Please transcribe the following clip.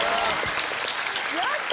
やった！